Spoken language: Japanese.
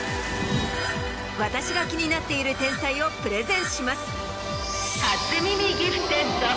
私が気になっている天才をプレゼンします。